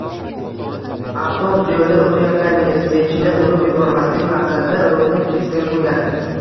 Avtobus yo‘lda o‘tayotgan velosipedchini urib yubormaslik maqsadida rulni keskin burgan